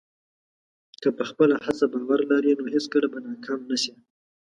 که په خپله هڅه باور لرې، نو هېڅکله به ناکام نه شې.